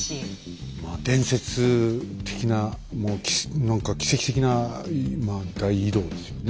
まあ伝説的なもう何か奇跡的な大移動ですよね。